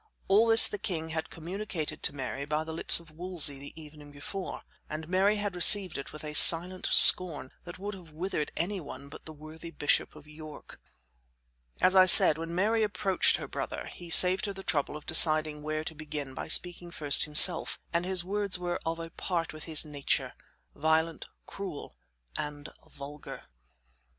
All this the king had communicated to Mary by the lips of Wolsey the evening before, and Mary had received it with a silent scorn that would have withered any one but the worthy bishop of York. As I said, when Mary approached her brother, he saved her the trouble of deciding where to begin by speaking first himself, and his words were of a part with his nature violent, cruel and vulgar.